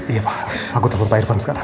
iya pak aku telepon pak irfan sekarang